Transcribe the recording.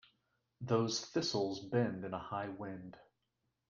Those thistles bend in a high wind.